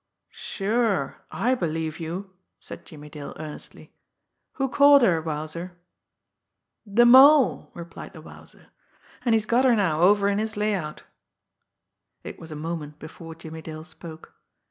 "Sure I believe you!" said Jimmie Dale earnestly. "Who caught her, Wowzer?" "De Mole," replied the Wowzer. "An' he's got her now over in his layout." It was a moment before Jimmie Dale spoke.